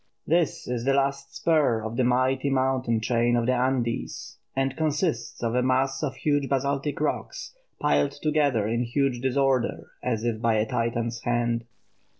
This is the last spur of the mighty mountain chain of the Andes, and consists of a mass of huge basaltic rocks, piled together in huge disorder as by a Titan's hand.